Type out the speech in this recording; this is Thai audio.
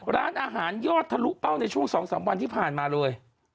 ร้านอาหารยอดทะลุเป้าในช่วง๒๓วันที่ผ่านมาเลย